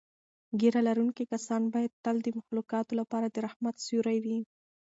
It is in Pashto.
ږیره لرونکي کسان باید تل د مخلوقاتو لپاره د رحمت سیوری وي.